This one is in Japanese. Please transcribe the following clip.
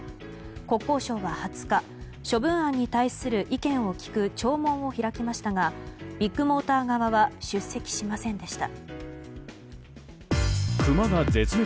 国交省は２０日処分案に対する意見を聞く聴聞を開きましたがビッグモーター側は出席しませんでした。